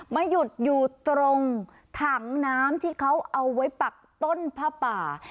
มาหยุดอยู่ตรงถังน้ำที่เขาเอาไว้ปักต้นผ้าป่า